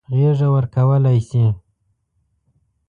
غېږه ورکولای شي.